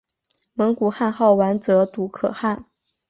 蒙古汗号完泽笃可汗。